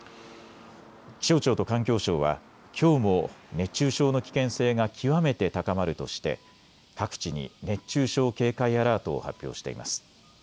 気象庁と環境省はきょうも熱中症の危険性が極めて高まるとして各地に熱中症警戒アラートを発表しています。